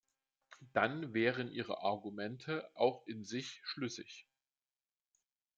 Dann wären Ihre Argumente auch in sich schlüssig.